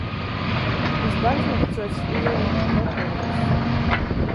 Iz bazneicu es īmu vokorūs.